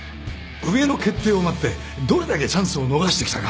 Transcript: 上の決定を待ってどれだけチャンスを逃してきたか。